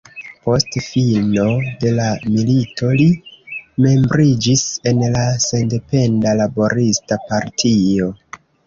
Post fino de la milito, li membriĝis en la Sendependa Laborista Partio.